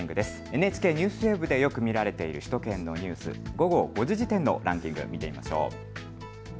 ＮＨＫＮＥＷＳＷＥＢでよく見られている首都圏のニュース、午後５時時点のランキング、見てみましょう。